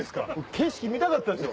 景色見たかったですよ。